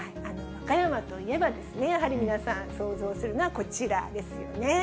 和歌山といえばですね、やはり皆さん、想像するのはこちらですよね。